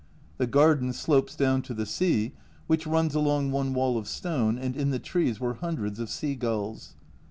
The garden slopes down to the sea, which runs along one wall of stone, and in the trees were hundreds of sea gulls.